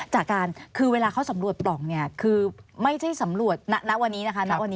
จากการคือเวลาเขาสำรวจปล่องเนี่ยคือไม่ใช่สำรวจณวันนี้นะคะณวันนี้